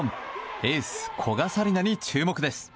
エース、古賀紗理那に注目です。